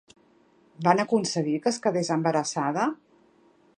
Van aconseguir que es quedés embarassada?